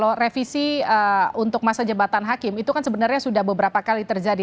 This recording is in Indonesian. untuk masa jembatan hakim itu kan sebenarnya sudah beberapa kali terjadi